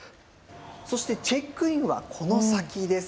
そして、チェックインはこの先です。